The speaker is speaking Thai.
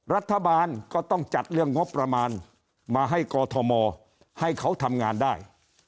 รัฐบาลก็ต้องจัดเรื่องงบประมาณมาให้กอทมให้เขาทำงานได้